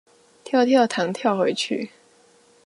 跳跳糖跳回去